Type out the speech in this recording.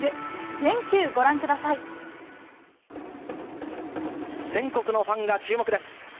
全国のファンが注目です。